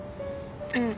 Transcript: うん。